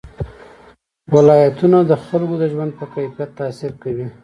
ولایتونه د خلکو د ژوند په کیفیت تاثیر کوي.